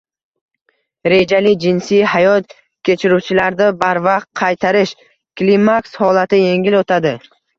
Rejali jinsiy hayot kechiruvchilarda barvaqt qartayish – klimaks holati yengil o‘tadi.